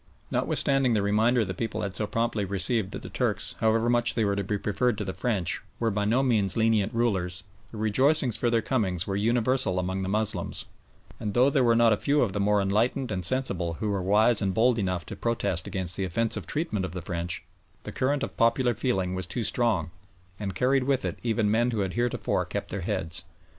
Notwithstanding the reminder the people had so promptly received that the Turks, however much they were to be preferred to the French, were by no means lenient rulers, the rejoicings for their coming were universal among the Moslems, and though there were not a few of the more enlightened and sensible who were wise and bold enough to protest against the offensive treatment of the French, the current of popular feeling was too strong, and carried with it even men who had heretofore kept their heads.